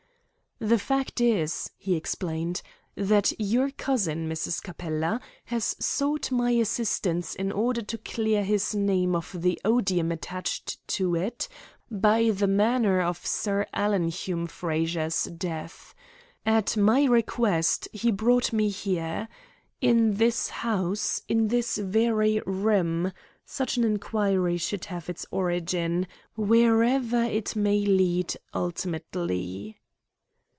"The fact is," he explained, "that your cousin, Mrs. Capella, has sought my assistance in order to clear his name of the odium attached to it by the manner of Sir Alan Hume Frazer's death. At my request he brought me here. In this house, in this very room, such an inquiry should have its origin, wherever it may lead ultimately."